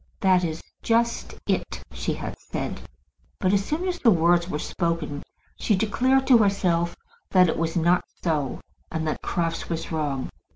"That is just it," she had said. But as soon as the words were spoken she declared to herself that it was not so, and that Crofts was wrong.